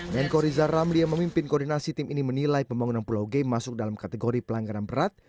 menko rizal ramli yang memimpin koordinasi tim ini menilai pembangunan pulau g masuk dalam kategori pelanggaran berat